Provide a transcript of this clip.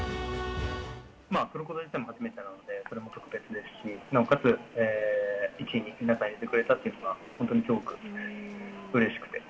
取ること自体も初めてなので、それも特別ですし、なおかつ１位に皆さん入れてくれたというのが本当にすごくうれしくて。